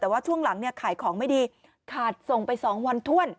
แต่ว่าช่วงหลังเนี่ยขายของไม่ดีขาดส่งไป๒วันถ้วน